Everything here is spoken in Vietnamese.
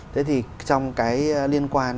thế thì trong cái liên quan